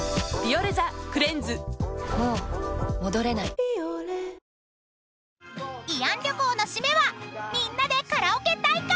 三菱電機［慰安旅行の締めはみんなでカラオケ大会！］